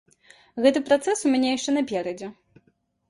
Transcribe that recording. Гэты працэс у мяне яшчэ наперадзе.